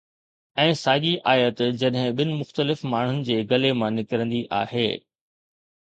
۽ ساڳي آيت جڏهن ٻن مختلف ماڻهن جي ڳلي مان نڪرندي آهي